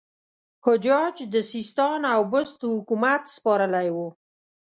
حجاج د سیستان او بست حکومت سپارلی وو.